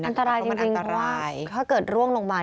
อันตรายจริงเพราะว่าถ้าเกิดร่วงลงมา